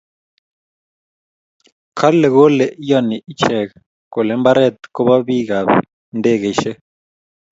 kale kole iani ichek kole mbaret kobo bik ab ndegeishek